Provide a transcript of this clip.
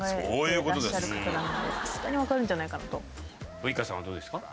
ウイカさんはどうですか？